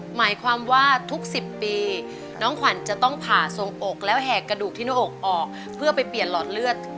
หมายความว่าทุก๑๐ปีน้องขวัญจะต้องผ่าทรงอกแล้วแหกกระดูกที่หน้าอกออกเพื่อไปเปลี่ยนหลอดเลือด